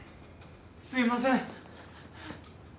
すみません。